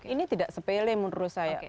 ini tidak sepele menurut saya